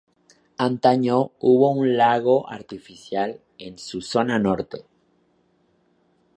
Antaño hubo un lago artificial en su zona norte.